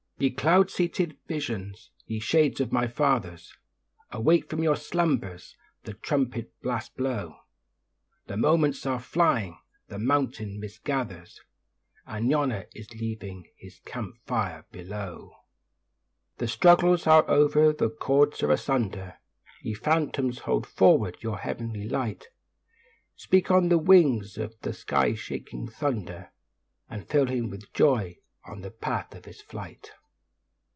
Ye cloud seated visions, ye shades of my fathers, Awake from your slumbers, the trumpet blast blow; The moments are flying, the mountain mist gathers, And Yona is leaving his camp fire below. ..... The struggles are over, the cords are asunder, Ye Phantoms hold forward your heavenly light, Speak on the wings of the sky shaking thunder, And fill him with joy on the path of his flight.